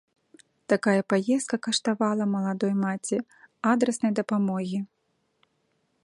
Такая паездка каштавала маладой маці адраснай дапамогі.